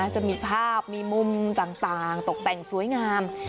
จะมีภาพมีมุมต่างตกแต่งสวยงาม